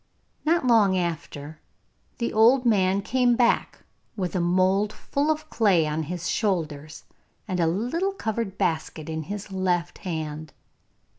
Not long after the old man came back with a mould full of clay on his shoulders, and a little covered basket in his left hand.